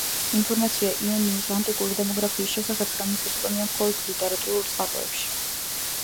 ინფორმაცია იონიის ანტიკური დემოგრაფიის შესახებ ხელმისაწვდომია მხოლოდ ლიტერატურულ წყაროებში.